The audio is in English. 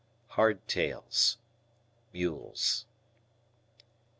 "Hard tails." Mules.